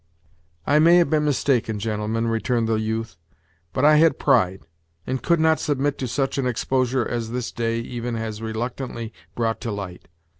"I may have been mistaken, gentlemen," returned the youth, "but I had pride, and could not submit to such an exposure as this day even has reluctantly brought to light.